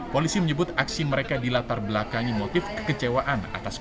polisi menyebut aksi mereka di latar belakangnya motif kekecewaan atas kondisi dan situasi ini